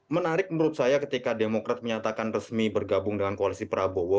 menarik menurut saya ketika demokrat menyatakan resmi bergabung dengan koalisi prabowo